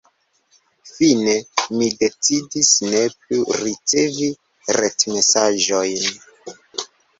Fine mi decidis ne plu ricevi retmesaĝojn.